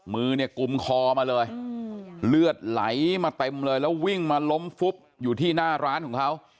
มือเนี่ยกุมคอมาเลยเลือดไหลมาเต็มเลยแล้ววิ่งมาล้มฟุบอยู่ที่หน้าร้านของเขา